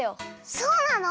そうなの？